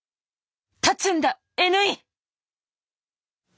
立つんだＮ井！